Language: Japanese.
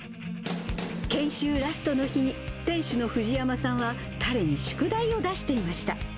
研修ラストの日に、店主の藤山さんは彼に宿題を出していました。